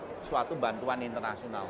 itu suatu bantuan internasional